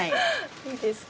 いいですか？